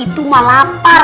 itu mah lapar